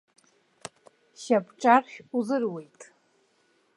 Шьапҿаршә узыруеит.